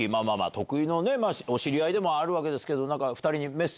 徳井のお知り合いでもあるわけですけど。